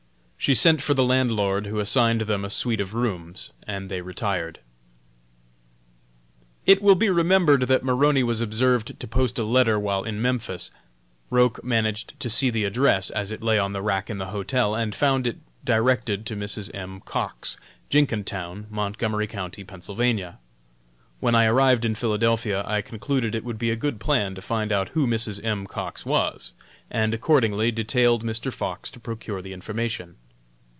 She sent for the landlord, who assigned them a suite of rooms, and they retired. It will be remembered that Maroney was observed to post a letter while in Memphis. Roch managed to see the address as it lay on the rack in the hotel, and found it directed to Mrs. M. Cox, Jenkintown, Montgomery County, Penn. When I arrived in Philadelphia, I concluded it would be a good plan to find out who Mrs. M. Cox was, and accordingly detailed Mr. Fox to procure the information.